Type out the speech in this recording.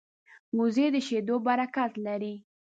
وزې د شیدو برکت لري